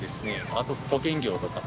あと保険業とか。